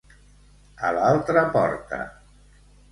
A l'altra porta.